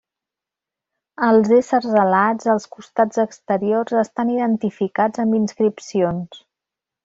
Els éssers alats, als costats exteriors, estan identificats amb inscripcions.